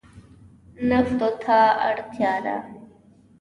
نفتو ته اړتیا ده.